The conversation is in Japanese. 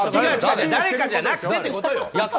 誰かじゃなくてってことよ。